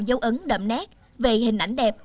dấu ấn đậm nét về hình ảnh đẹp